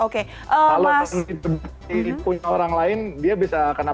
kalau benar ini punya orang lain dia bisa kenapa